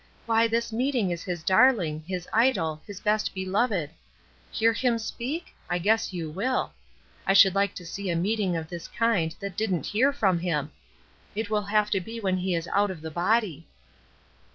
Why, this meeting is his darling, his idol, his best beloved. 'Hear him speak?' I guess you will. I should like to see a meeting of this kind that didn't hear from him. It will have to be when he is out of the body."